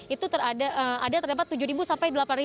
itu terdapat tujuh sampai delapan